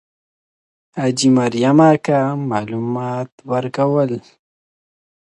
حاجي مریم اکا معلومات ورکول.